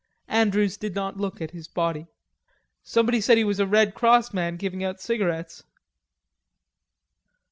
Andrews did not look at his body. "Somebody said he was a Red Cross man giving out cigarettes....